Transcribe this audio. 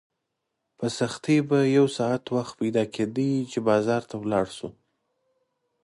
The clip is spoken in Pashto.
په سختۍ به یو ساعت وخت پیدا کېده چې بازار ته ولاړ شې.